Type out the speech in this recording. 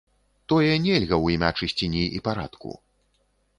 Тое нельга у імя чысціні і парадку.